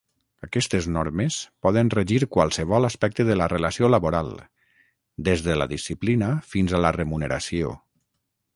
Aquestes normes poden regir qualsevol aspecte de la relació laboral, des de la disciplina fins a la remuneració.